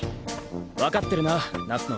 分かってるな夏野。